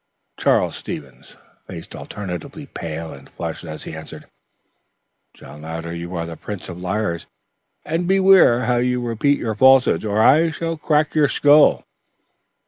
Charles Stevens' face alternately paled and flushed as he answered: "John Louder, you are the prince of liars, and beware how you repeat your falsehoods, or I shall crack your skull."